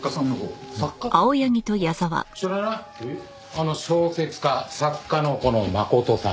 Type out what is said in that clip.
あの小説家作家のこの真琴さん。